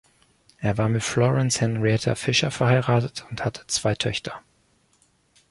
Er war mit Florence Henrietta Fisher verheiratet und hatte zwei Töchter.